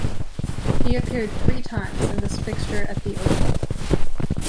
He appeared three times in this fixture at the Oval.